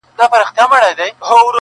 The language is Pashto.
اوس په خوب کي هره شپه زه خوبان وینم,